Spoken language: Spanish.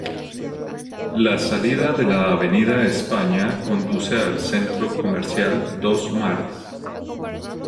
La salida de la avenida España conduce al Centro Comercial Dos Mares.